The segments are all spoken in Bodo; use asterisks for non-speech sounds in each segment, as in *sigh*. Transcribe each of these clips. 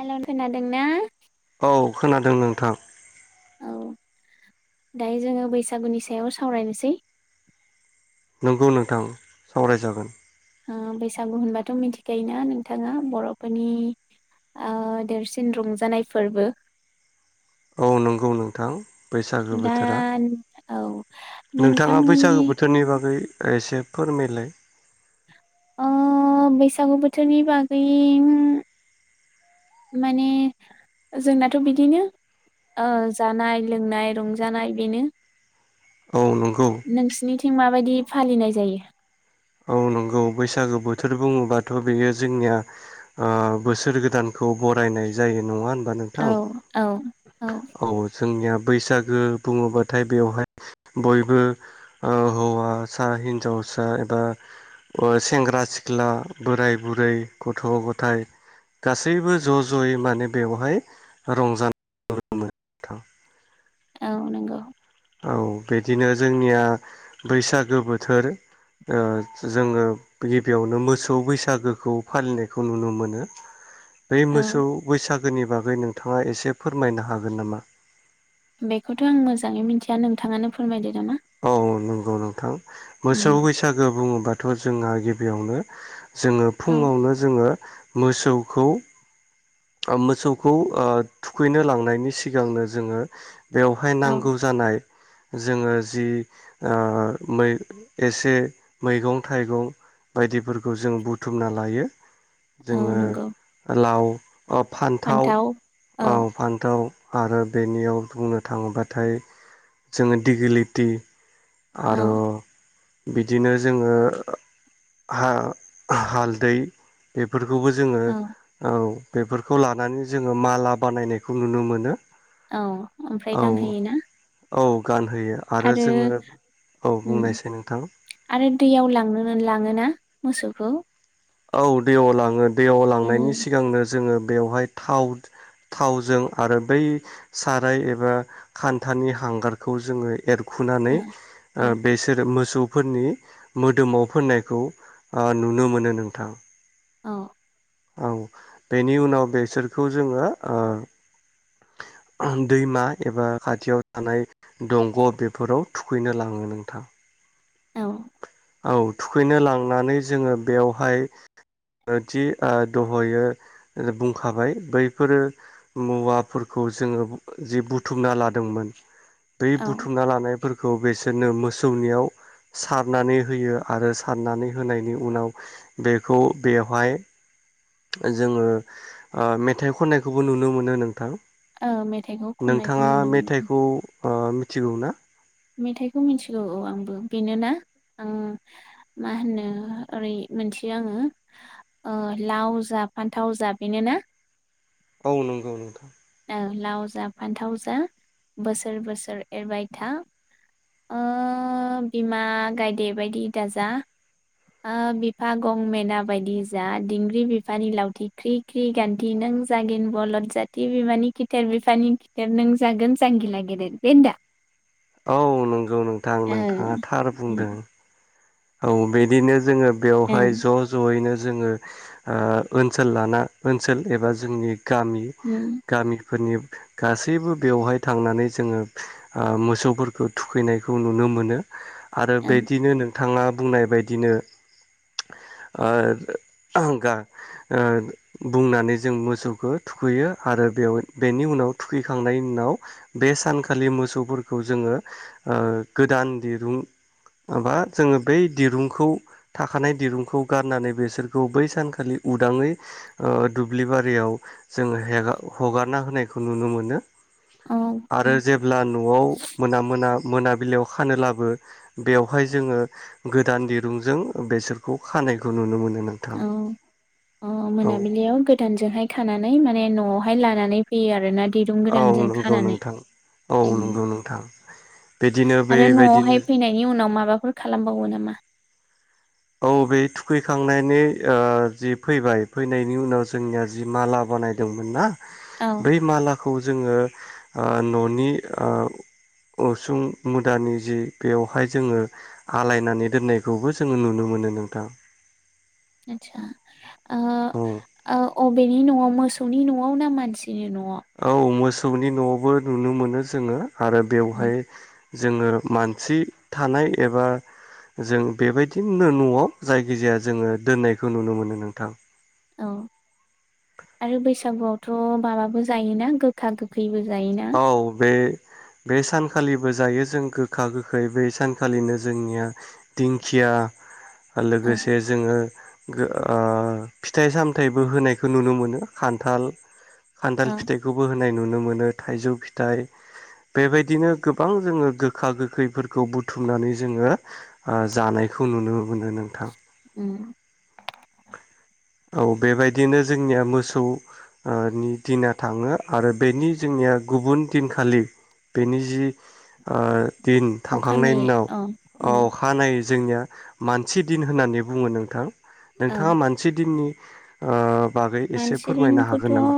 हेलौ खोनादों ना? औ खोनादों नोंथां। औ दायो जोंङो बैसागुनि सायाव सावरायनोसै। नोंगौ नोंथां सावरायजागोन। बैसागु होनबाथ' मिथिखायोना नोंथाङा बरफोरनि देरसिन रंजानाय फोरबो औ नंगौ नोंथां। बैसागो दा बोथोरा औ नोंथाङा बैसागो नोंथांमोननि। बोथोरनि बागै एसे फोरमायलाय। ओ बैसागु बोथोरनि बागै उम माने जोंनाथ' बिदिनो ओ जानाय लोंनाय रंजानाय बेनो औ नंगौ नोंसिनिथिं माबायदि? फालिनाय जायो। औ नंगौ बैसागो बोथोर बुङोबाथ‌ बेयो जोंनिया बोसोर गोदानखौ बरायनाय जायो नंङा होन औ औ औ जोंनिया बैसागो बुंङोबाथाय बेवहाय बयबो हौवासा हिन्जावसा एबा ओ सेंग्रा सिख्ला बोराय बुरै गथ' गथाय गासैबो ज' ज'यै माने बेवहाय रंजानायखौ नुनो मोनो नोंथां। औ नंगौ औ बिदिनो जोंनिया बैसागो बोथोर ओ जोङो गिबियावनो मोसौ बैसागोखौ फालिनायखौ नुनो मोनो। बे औ मोसौ बैसाग गोनि बागै नोंथाङा एसे फोरमायनो हागोन नामा? बेखौथ' आं मोजाङै मिथिया नोंथाङानो फोरमायदो नामा औ नंगौ नोंथां उम मोसौ बैसागो बुङोबाथ' जोंङा गि - यावनो जोङो औ फुङावनो जोङो मोसौखौ ओ मोसौखौ ओ थुखैनो लांनायनि सिगांनो जोङो बेवहाय औ नांगौ जानाय जोङो जि ओ मैग एसे मैगं थाइगं बायदिफोरखौ जों बुथुमना लायो। औ जोङो नंगौ लाव औ फान्थाव औ फान्थाव आरो बेनियाव बुंनो थाङोब्लाथाय जोङो दिगिलिथि औ आरो बिदिनो जोङो हा-हालदै बे बेफोरखौबो जोङो औ औ बेफोरखौ लानानै जोङो माला बानायनायखौ नुनो मोनो। औ ओमफ्राय औ गानहोयोना। औ गानहोयो आरो जोङो औ ओम बुंनायसै नोंथां आरो दैयाव लांनो लाङोना मोसौखौ औ दैयाव लाङो। दैयाव ओ लांनायनि सिगांनो जोङो बेवहाय थाव थावजों आरो बै साराय एबा खान्थानि हांगारखौ जोङो एर खुनानै औ ओ बेसोर मो मोसौफोरनि मोदोमाव फोननायखौ नुनो मोनो नों थां। औ औ बेनि उनाव बेसोरखौ जोङो ओ दैमा एबा खाथियाव थानाय दंग' बेफोराव थुखैनो लाङो नोंथां। औ औ थुखैनो लांनानै जोङो बेवहाय जि दहयो बुंखाबाय बैफोरो मुवाफोरखौ जोङो जि बुथुमना लादोंमोन बै औ बुथुमना लानायफोर खौ बिसोरनो मोसौनियाव सारनानै होयो आरो सारनानै होनायनि उनाव बेखौ बेवहाय जोङो ओ मेथाइ खननायखौबो नुनो मोनो नोंथां। औ मेथाइखौ खननायखौ नोंथाङा नुनो मोनो मेथाइखौ ओ मिथिगौ ना? मेथाइखौ मिथिगौ औ आंबो बेनोना आं मा होनो ओरै मोनथियो आङो ओ लाव जा फान्थाव जा बेनोना औ नंगौ नोंथां। लाव जा फान्थाव जा बोसोर बोसोर एरबाय था बिमा ओ गायदे बायदि दाजा ओ बिफा गं मेना बायदि जा दिंग्रि बिफानि लावथि ख्रि ख्रि गान्थि नों जागिन बलद जाथि बिमानि खिथेर बिफानि खिथेर नों जागोन जांगिला गेदेर बे नो दा औ नंगौ नोंथां ओ नोंथाङा थार उम बुंदों। औ बिदिनो जोङो ओं बेवहाय ज' ज'यैनो जोङो ओ ओनसोल लाना ओनसोल एबा जोंनि गामि गामि फोरनि गासैबो बेवहाय थांनानै जोङो ओ मोसौफोरखौ थुखैनायखौ नुनो मोनो। आरो उम बिदिनो नों थाङा बुंनाय बायदिनो ओ गा ओ बुंनानै जों मोसौखौ थुखैयो आरो बेयाव बेनि उनाव थुखैखांनायनि उनाव बे सानखालि मोसौफोरखौ जोङो गोदान दिरुं माबा जोङो बै दिरुंखौ थाखानाय दिरुंखौ गारनानै बेसोरखौ बै सानखालि उदाङै दुब्लि बारियाव जोङो हेगा हगारना होनायखौ नुनो मोनो। ओं औ आरो जेब्ला न'आव मोना मोना मोनाबिलियाव खानोलाबो बेवहाय जोङो गोदान दिरुंजों बेसोरखौ खानायखौ नुनो मोनो। नोंथां औ औ मोनाबिलियाव गोदानजोंहाय खानानै माने न'आव हाय लानानै फैयो आरोना दिरुं औ गोदानजों नंगौ खानानै नोंथां औ नंगौ नोंथां बिदिनो आरो बेबायदिनो न'आवहाय फैनायनि उनाव माबाफोर खालामबावो नामा? औ बे थुखैखांनायनि ओ जि फैबाय फैनायनि उनाव जोंनिया जि माला बानायदोंमोन ना? औ बै माला खौ जोङो ओ न'नि ओ उसुं मुदानि जि बेवहाय जोङो आलायनानै दोननायखौबो जोङो नुनो मो मोनो नोंथां आथसा औ अबेनि न'आव मोसौनि न'आव ना मानसि औ मोस सौनि न'आवबो नुनो मोनो जोङो। आरो उम बेवहाय जोङो मानसि थानाय एबा जों बेबायदिनो न'आव जायखिजाया जोङो दोननायखौ नुनो मोनो नोंथां। औ आरो बैसागुआवथ' माबाबो जायोना गोखा गोखैबो जायोना औ बे बे सानखालिबो जायो जों गोखा गोखै बै सानखालिनो जोंनिया दिंखिया आरो औ लोगोसे जोङो गो ओ फिथाइ- सामथाइबो होनायखौ नुनो मोनो खान्थाल खान्थाल औ फिथाइखौबो होन नाय नुनो मोनो थाइजौ फिथाइ बेबायदिनो गोबां जोङो गोखा गोखैफोरखौ बुथुमनानै जोङो आ जानायखौ नुनो मोनो नोंथां उम औ बेबायदिनो जोंनिया मोसौ नि दिना थाङो आरो बेनि जोंनिया गुबुन दिनखालि बेनि जि ओ दिन थांखांनायनि अखानायै उनाव औ उम अखानायै जोंनिया मानसि दिन होननानै बुङो नोंथां नोंथाङा मान दिननि ओ मानसि फोरमायनो दिनखौथ' हागोन नामा?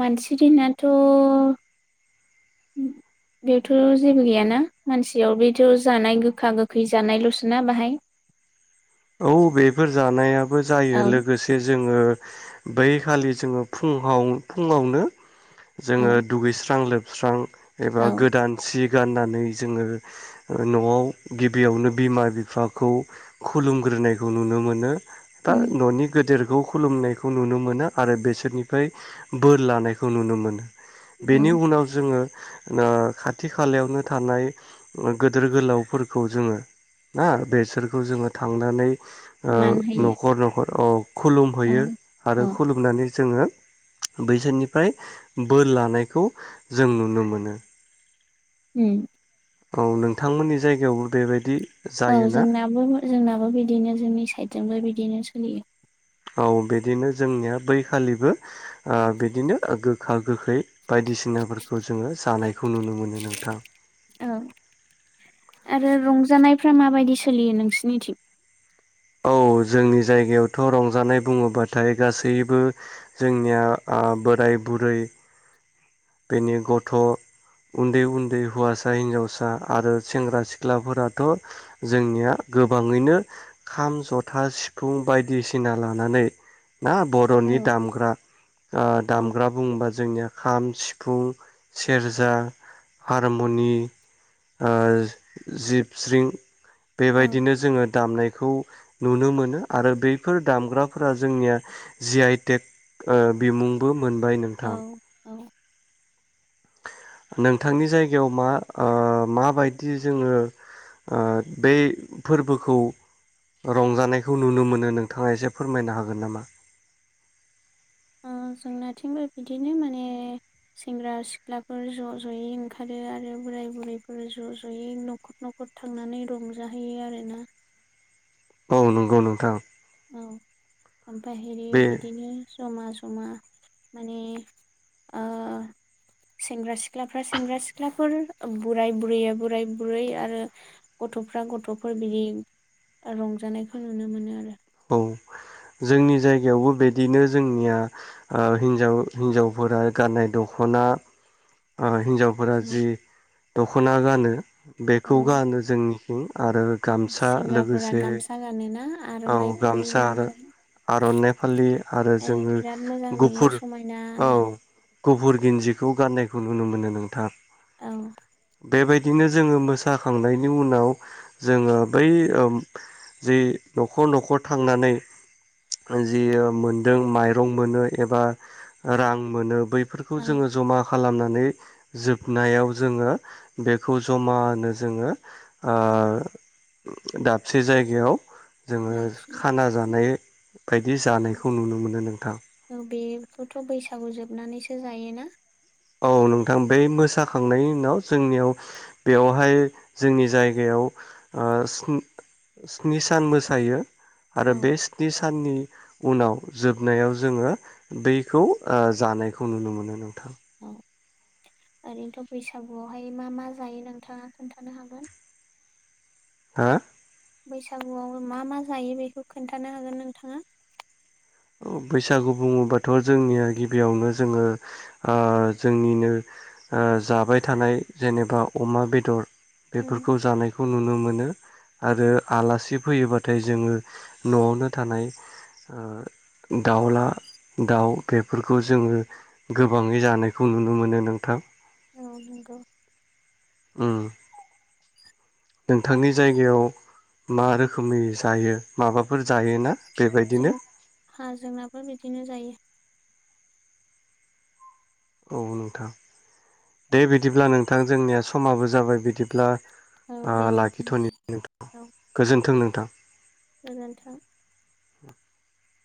मानसि दिनाथ' बेवथ' जेबो गैयाना मानसियाव बेथ' जानाय गोखा गोखै जानायल'सोना बाहाय औ बेफोर जानाया बो जायो औ लोगोसे जों जोङो बै खालि जोङो फुंआव फुङावनो जोङो औ दुगैस्रां लोब स्रां एबा औ गोदान सि गाननानै जोङो न'आव गिबियावनो बिमा- बिफाखौ खुलुमग्रोनायखौ नुनो मोनो दा उम न'नि गेदेर खौ खुलुमनायखौ नुनो मोनो आरो बेसोरनिफ्राय बोर लानायखौ नुनो मोनो औ बेनि उनाव जोङो खाथि खालायावनो थानाय गोदोर गोलावफोरखौ जोङो ना बेसोरखौ जोङो थांनानै ओ मान होयो न'खर -न'खर औ औ खुलुमहैयो आरो औ खुलुमनानै जोङो बैसोरनिफ्राय बोर लानायखौ जों नुनो मोनो उम औ नोंथांमोननि जायगायावबो बेबायदि औ जायोना जोंनाबो जोंनाबो बिदिनो जोंनि साइद जोंबो बिदिनो *unintelligible* औ बिदिनो जोंनिया बैखालिबो बिदिनो गोखा- गोखै बायदिसिनाफोरखौ जोङो जानायखौ नुनो मोनो नोंथां औ आरो रंजानायफ्रा माबायदि सोलियो नोंसिनिथिं औ जोंनि जायगायावथ' रंजानाय बुङोबाथाय गासैबो जोंनिया ओ बोराय बुरै बेनि गथ' उन्दै -उन्दै हौवासा- हिनजावसा आरो सेंग्रा- सिख्लाफोराथ' जोंनिया गोबाङैनो खाम, जथा, सिफुं बायदिसिना लानानै ना औ बर'नि दामग्रा औ दामग्रा बुङोबा जोंनिया खाम सि फुं सेरजा हारमुनि जिबस्रिं औ बेबायदिनो जोङो दामनायखौ नुनो मोनो आरो बैफोर दामग्राफोरा जोंनिया जि आइटेक बिमुंबो मोनबाय नोंथां नोंथांनि जायगायाव मा माबायदि जोङो बे फोरबोखौ रंजानायखौ नुनो मोनो नोंथाङा एसे फोरमायनो हागोन नामा जोंनाथिंबो बिदिनो माने सेंग्रा सिख्लाफोर ज' ज'यै ओंखारो आरो बोराय बुरैफोर ज' ज'यै न'खर न'खर थांनानै रंजाहैयो आरोना औ नंगौ नोंथां औ ओमफ्राय बे बिदिनो जमा जमा जमा माने सेंग्रा सिख्लाफ्रा सेंग्रा सिख्लाफोर बोराय बुरैया बोराय बुरै आरो गथ'फ्रा गथ'फोर बिदि रंजानायखौ नुनो मोनो आरो औ जोंनि जायगायावबो बिदिनो जोंनिया हिजाव हिनजावफोरा गाननाय दख'ना हिनजावफोरा आरो जि द खना गानो। औ बेखौ गानो जोंनिखिं आरो औ गामसा सेंग्राफोरा लोगोसे गामसा गानोना औ आर'नाइ फालि गामसा आरो लानानै आरनाइ फालि आरो ओ जोङो बिराद मोजां नुयो गुफुर औ समायनानो गफुर गिन्जिखौ गाननायखौ नुनो मोनो नोंथां। औ। बेबायदिनो जोङो मोसाखांनायनि उनाव जोङो बै ओ जि दख नखर नखर थांनानै जि मोनदों माइरं मोनो एबा रां मोनो बै बेफोरखौ औ जोङो जमा खालामनानै नानै जोबनायाव जोङो बेखौ जमानो जोङो ओ दाबसे जायगायाव जोङो लाखियो खाना जानाय बायदि औ जानायखौ नुनो मोनो नोंथां। औ बेखौथ बैसागु जोबनानैसो जायोना? औ नोंथां बै मोसाखांनायनि उनाव जोंनियाव बेयावहाय जोंनि जायगायाव स्नि स्नि सान मोसायो। औ आरो बे स्नि साननि उनाव जोबनायाव जोङो बैखौ ओ जानायखौ नुनो मोनो नोंथां। अ ओरैनोथ बैसागुआवहाय मा मा जायो नोंथाङा खोन्थानो हागोन‌। हो बैसागुआव मा मा जायो बेखौ खोन्थानो हागोन नोंथाङा। अ बैसागु बुङोबाथ जोंनिया गिबियावनो जोङो ओ जोंनिनो ओ जाबाय थानाय जेनेबा अमा बेदर। उम बेफोरखौ जानायखौ नुनो मोनो। आरो आलासि फैयोबाथाय जोङो नआवनो थानाय ओ दाउला दाउ बेफोरखौ जोङो गोबाङै जानायखौ नुनो मोनो नोंथां। औ नंगौ। उम नोंथांनि जायगायाव मा रोखोमै जायो माबाफोर जायो ना? जों हा जोंनाबो बिदिनो जायो। औ नोंथां दे बिदिब्ला नोंथां जोंनिया समाबो जाबाय बिदिब्ला औ दे ओह नोंथां दे लाखिथनि नोंथां औ गोजोनथों नोंथां। गोजोन्थों। *inaudible*